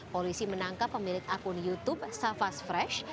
polisi menangkap pemilik akun youtube safas fresh